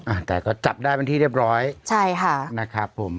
อ่าแต่ก็จับได้เป็นที่เรียบร้อยใช่ค่ะนะครับผม